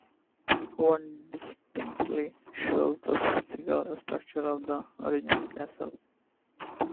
One distinctly shows the physical structure of the original castle.